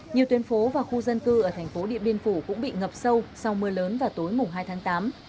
nhiều tuyến phố và khu dân cư ở thành phố điện biên phủ cũng bị ngập sâu sau mưa lớn vào tối hai tháng tám